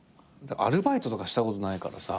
アルバイトとかしたことないからさ。